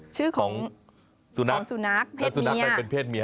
ชื่อของสุนัขเพศเมีย